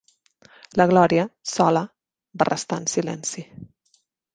La Glòria, sola, va restar en silenci.